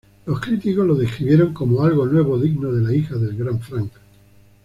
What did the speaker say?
Los críticos lo describieron como "Algo Nuevo, Digno de la hija del gran Frank".